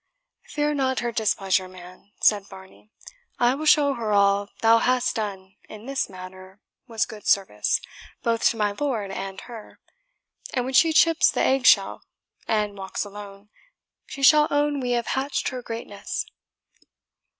"Fear not her displeasure, man," said Varney. "I will show her all thou hast done in this matter was good service, both to my lord and her; and when she chips the egg shell and walks alone, she shall own we have hatched her greatness."